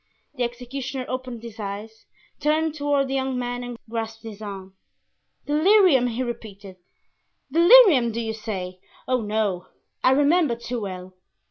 The executioner opened his eyes, turned toward the young man and grasped his arm. "'Delirium,'" he repeated; "'delirium,' do you say? Oh, no! I remember too well.